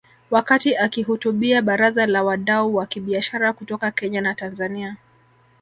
Wakati akihutubia baraza la wadau wa kibiashara kutoka Kenya na Tanzania